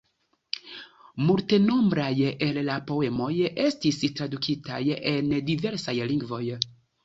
Multenombraj el la poemoj estis tradukitaj en diversaj lingvoj.